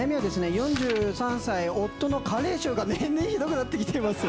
「４３歳夫の加齢臭が年々ひどくなって来ています。